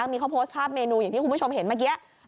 มีเขาโพสต์ภาพเมนูอย่างที่คุณผู้ชมเห็นเมื่อกี้